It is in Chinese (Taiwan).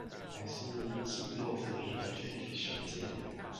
乃是濟弱扶貧的具體實踐